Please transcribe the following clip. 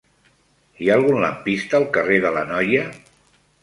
Hi ha algun lampista al carrer de l'Anoia?